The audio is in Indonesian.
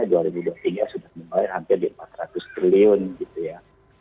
maret dua ribu dua puluh tiga sudah membayar hampir empat ratus triliun gitu ya